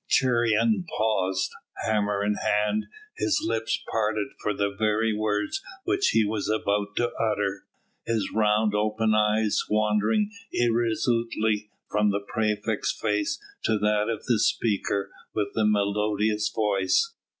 Cheiron paused, hammer in hand, his lips parted for the very words which he was about to utter, his round open eyes wandering irresolutely from the praefect's face to that of the speaker with the melodious voice.